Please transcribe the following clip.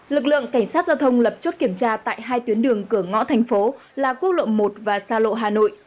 lực lượng cảnh sát giao thông lập chốt kiểm tra tại hai tuyến đường cửa ngõ thành phố là quốc lộ một và xa lộ hà nội